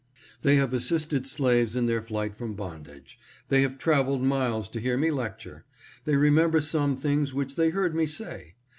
" They have assisted slaves in their flight from bond age." " They have traveled miles to hear me lecture.'' " They remember some things which they heard me say."